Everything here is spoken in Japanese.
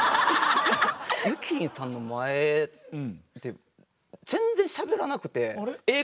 ゆきりんさんの前で全然しゃべらなくてええ